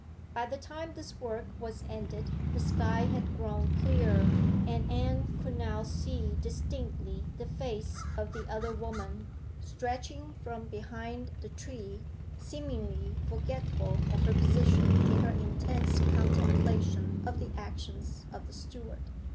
By the time this work was ended the sky had grown clearer, and Anne could now see distinctly the face of the other woman, stretching from behind the tree, seemingly forgetful of her position in her intense contemplation of the actions of the steward.